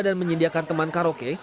dan menyediakan teman karaoke